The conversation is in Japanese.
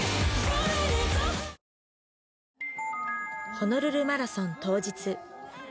ホノルルマラソン当日